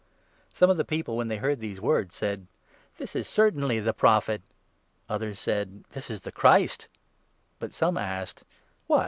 Some of the people, 40 when they heard these words, said :" This is certainly ' the Prophet '!"; others said :" This is 41 the Christ !"; but some asked :" What